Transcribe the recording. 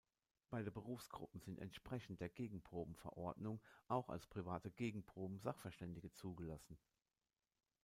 Beide Berufsgruppen sind entsprechend der Gegenproben-Verordnung auch als private Gegenproben-Sachverständige zugelassen.